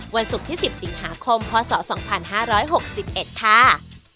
วันศุกร์ที่๑๐สิงหาคมพศ๒๕๖๑ค่ะ